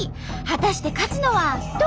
果たして勝つのはどっち！？